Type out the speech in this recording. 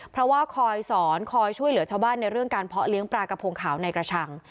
เพราะว่าคอยสอนคอยช่วยเหลือชาวบ้านในเรื่องการเพาะเลี้ยงปลากระพงขาวในกระชัง